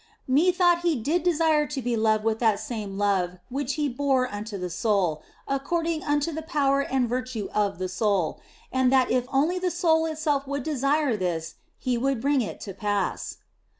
Methought He did desire to be loved with that same love which He bore unto the soul, according unto the power and virtue of the soul, and that if only the soul itself would desire this, He would bring it to pass.